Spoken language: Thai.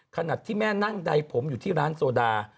ขณะที่แม่นั่งใดผมอยู่ที่ร้านโซดา